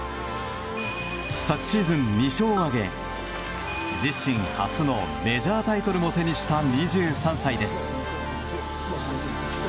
昨シーズン２勝を挙げ自身初のメジャータイトルを手にした２３歳です。